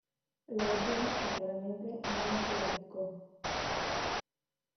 L'ordine è chiaramente monofiletico.